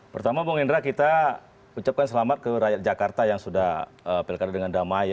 pertama bung indra kita ucapkan selamat ke rakyat jakarta yang sudah pilkada dengan damai